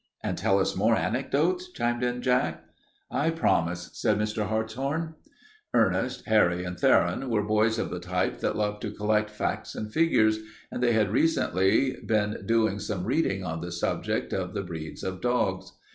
"And tell us more anecdotes?" chimed in Jack. "I promise," said Mr. Hartshorn. Ernest, Harry, and Theron were boys of the type that love to collect facts and figures, and they had recently been doing some reading on the subject of the breeds of dogs.